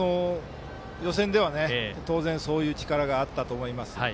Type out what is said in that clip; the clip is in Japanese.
予選では当然、そういう力があったと思います。